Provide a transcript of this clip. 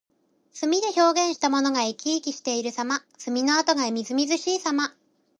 墨で表現したものが生き生きしているさま。墨の跡がみずみずしいさま。